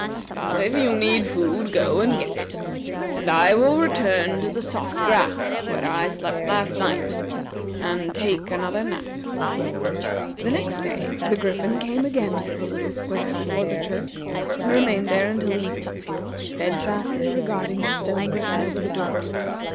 But if you need food, go and get it, and I will return to the soft grass where I slept last night and take another nap." The next day the Griffin came again to the little square before the church, and remained there until evening, steadfastly regarding the stone griffin over the door.